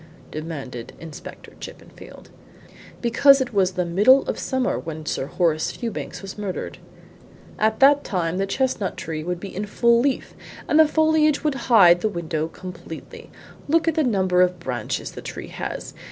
demanded Inspector Chippenfield. "Because it was the middle of summer when Sir Horace Fewbanks was murdered. At that time that chestnut tree would be in full leaf, and the foliage would hide the window completely. Look at the number of branches the tree has!